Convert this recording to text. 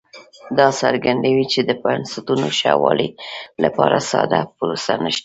دا څرګندوي چې د بنسټونو ښه والي لپاره ساده پروسه نشته